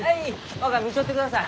若見ちょってください！